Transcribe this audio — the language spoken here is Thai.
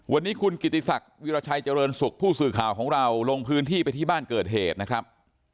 วันนี้คุณกิติศักดิ์วิราชัยเจริญสุขผู้สื่อข่าวของเราลงพื้นที่ไปที่บ้านเกิดเหตุนะครับ